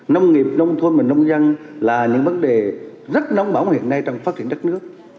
nông nghiệp nông thôn và nông dân là những vấn đề rất nóng bóng hiện nay trong phát triển đất nước